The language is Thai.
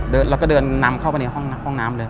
เราก็เดินนำเข้าไปในห้องน้ำเลย